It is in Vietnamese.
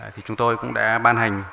thì chúng tôi cũng đã ban hành